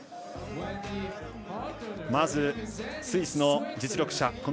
まず、スイスの実力者